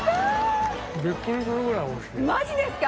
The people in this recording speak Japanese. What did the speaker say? マジですか？